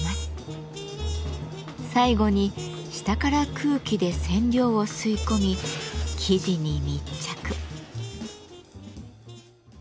最後に下から空気で染料を吸い込み生地に密着。